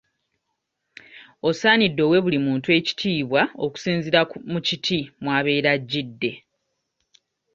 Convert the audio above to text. Osaanidde owe buli muntu ekitiibwa okusinziira mu kiti mw'abeera ajjidde.